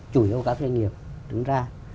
chủ yếu các doanh nghiệp đứng ra